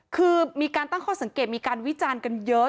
คือมีการตั้งข้อสังเกตมีการวิจารณ์กันเยอะ